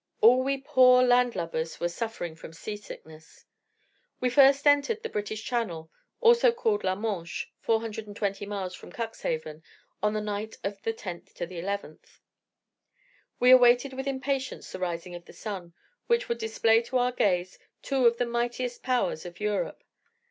All we poor "land lubbers" were suffering from sea sickness. We first entered the British Channel, also called "La Manche" (420 miles from Cuxhaven) in the night of the 10 11th. We awaited with impatience the rising of the sun, which would display to our gaze two of the mightiest powers in Europe.